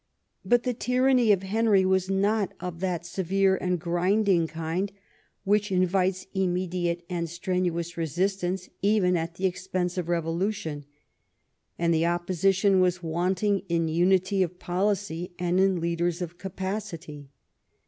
But the tyranny of Henry was not of that severe and grinding kind which invites immediate and strenuous resistance even at the expense of revolution. And the opposition was wanting in unity of policy and in leaders of capacity.